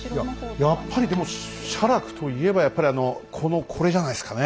いややっぱりでも写楽と言えばやっぱりあのこのこれじゃないですかね。